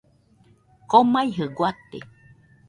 Komaijɨ guate